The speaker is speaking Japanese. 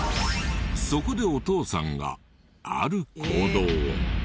そこでお父さんがある行動を。